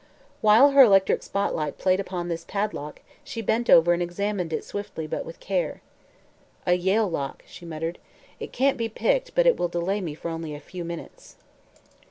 While her electric spotlight played upon this padlock she bent over and examined it swiftly but with care. "A Yale lock," she muttered. "It can't be picked, but it will delay me for only a few minutes."